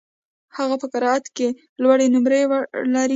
هغه په قرائت کي لوړي نمرې لري.